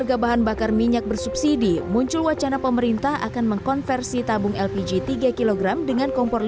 salah satu ibu rumah tangga di tasik malaya menghabiskan satu tabung lpg tiga kg dalam dua pekan